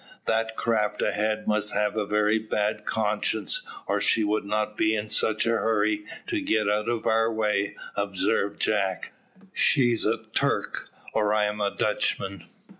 "That craft ahead must have a very bad conscience, or she would not be in such a hurry to get out of our way," observed Jack; "she's a Turk, or I am a Dutchman."